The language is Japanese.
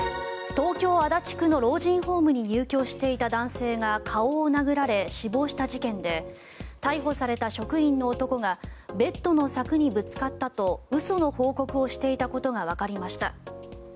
東京・足立区の老人ホームに入居していた男性が顔を殴られ死亡した事件で逮捕された職員の男がベッドの柵にぶつかったと嘘の報告をしていたことがわかりました。